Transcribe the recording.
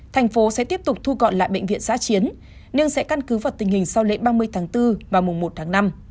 thành phố sẽ tiếp tục thu gọn lại bệnh viện giã chiến nhưng sẽ căn cứ vào tình hình sau lễ ba mươi tháng bốn và mùng một tháng năm